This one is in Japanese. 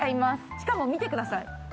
しかも見てください値段も。